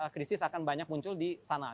krisis akan banyak muncul di sana